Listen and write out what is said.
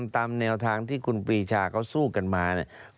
ตามแนวทางที่คุณปรีชาเขาสู้กันมาเนี่ย